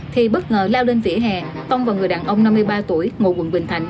thì bất ngờ lao lên vỉa hè tông vào người đàn ông năm mươi ba tuổi ngụ quận bình thạnh